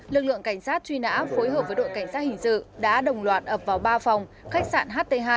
lực lượng cảnh sát truy nã phối hợp với đội cảnh sát hình sự đã đồng loạt ập vào ba phòng khách sạn ht hai